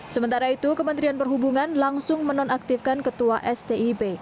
sementara itu kementerian perhubungan langsung menonaktifkan ketua stip